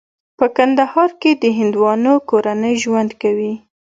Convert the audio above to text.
په کندهار کې د هندوانو کورنۍ ژوند کوي.